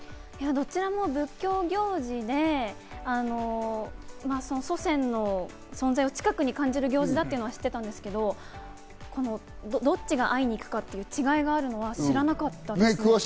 どちらも仏教行事で、祖先の存在を近くに感じる行事だというのはしていたんですけど、どっちが会いに行くかという違いがあるのは知らなかったです。